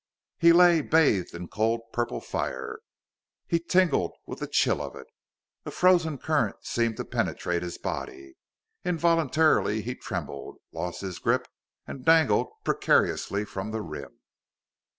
He lay bathed in cold purple fire. He tingled with the chill of it. A frozen current seemed to penetrate his body. Involuntarily he trembled, lost his grip and dangled precariously from the rim.